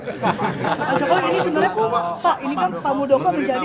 pak ini sebenarnya pak muldoko menjadi